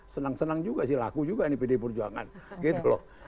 senang senang juga sih laku juga nih pdi perjuangan gitu loh